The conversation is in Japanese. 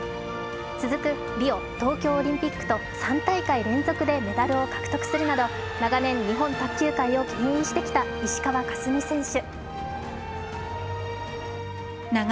続くリオ、東京オリンピックと３大会連続でメダルを獲得するなど長年、日本卓球界をけん引してきた石川佳純選手。